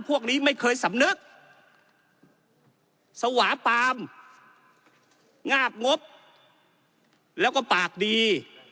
พวกนี้ไม่เคยสำนึกสวาปามงาบงบแล้วก็ปากดี